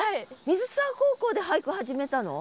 水沢高校で俳句始めたの？